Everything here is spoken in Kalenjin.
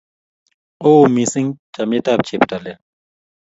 Oo missing chamnyetab cheptailel